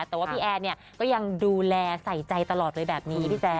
แต่ว่าพี่แอนเนี่ยก็ยังดูแลใส่ใจตลอดไปแบบนี้พี่แจ๊